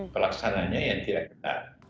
pelaksananya yang tidak ketat